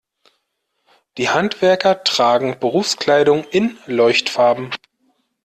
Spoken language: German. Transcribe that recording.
Die Handwerker tragen Berufskleidung in Leuchtfarben.